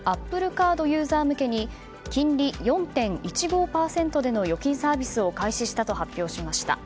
カードユーザー向けに金利４．１５％での預金サービスを開始したと発表しました。